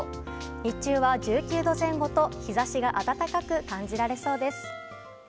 日中は１９度前後と日差しが暖かく感じられそうです。